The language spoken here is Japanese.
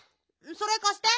それかして。